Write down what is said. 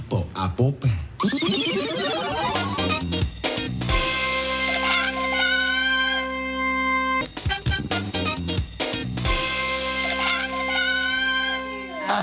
ขอบคุณค่ะ